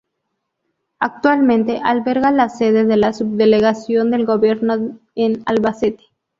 Actualmente alberga la sede de la Subdelegación del Gobierno en Albacete.